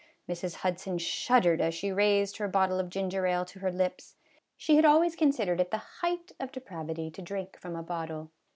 Mrs. Hudson shuddered as she raised her bottle of ginger ale to her lips ; she had always considered it the height of depravity to drink from a bottle.